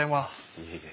いえいえ。